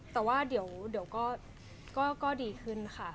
แต่ว่าเดี๋ยวก็ดีขึ้นค่ะ